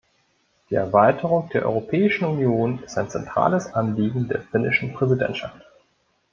Die Erweiterung der Europäischen Union ist ein zentrales Anliegen der finnischen Präsidentschaft.